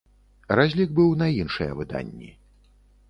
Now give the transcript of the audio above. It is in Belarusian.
Разлік быў на іншыя выданні.